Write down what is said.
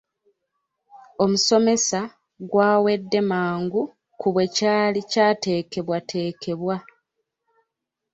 Omusomesa gwawedde mangu ku bwe kyali kyateekebwateekebwa.